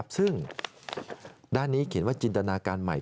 ซึ่งด้านนี้เขียนว่าจินตนาการใหม่